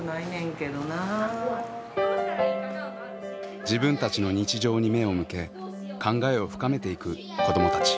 自分たちの日常に目を向け考えを深めていく子どもたち。